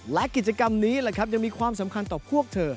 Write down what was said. และกิจกรรมนี้แหละครับยังมีความสำคัญต่อพวกเธอ